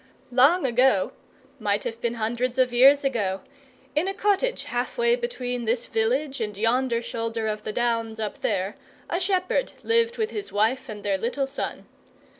Long ago might have been hundreds of years ago in a cottage half way between this village and yonder shoulder of the Downs up there, a shepherd lived with his wife and their little son.